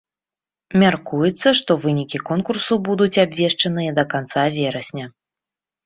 Мяркуецца, што вынікі конкурсу будуць абвешчаныя да канца верасня.